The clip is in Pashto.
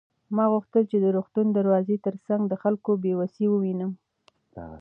ما غوښتل چې د روغتون د دروازې تر څنګ د خلکو بې وسي ووینم.